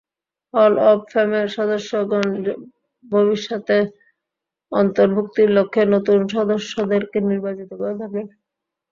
হল অব ফেমের সদস্যগণ ভবিষ্যতে অন্তর্ভুক্তির লক্ষ্যে নতুন সদস্যদেরকে নির্বাচিত করে থাকেন।